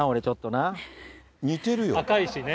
似てるよ。